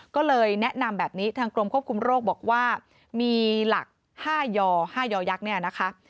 ก็เลยแนะนำแบบนี้ทางกรมควบคุมโรคบอกว่ามีหลัก๕ยอ๕ยอยักษ์เนี่ยนะคะ